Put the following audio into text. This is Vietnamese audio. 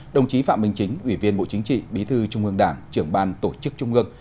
đồng chí phạm minh chính ủy viên bộ chính trị bí thư trung ương đảng trưởng ban tổ chức trung ương